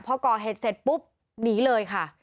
พอก่อเหตุเสร็จปุ๊บหนีเลยค่ะ